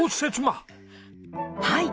はい。